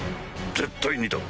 絶対にだ。